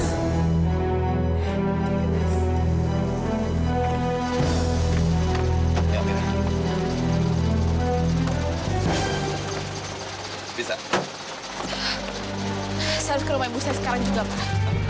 saya harus ke rumah ibu saya sekarang juga pak